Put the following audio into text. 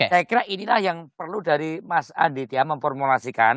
saya kira inilah yang perlu dari mas adit ya memformulasikan